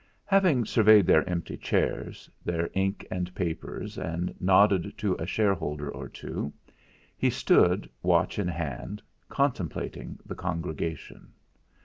Having surveyed their empty chairs, their ink and papers, and nodded to a shareholder or two, he stood, watch in hand, contemplating the congregation.